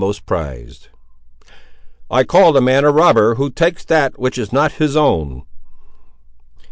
I call the man a robber who takes that which is not his own."